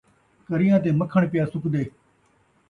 کریاں تے مکھݨ پیا سُکدے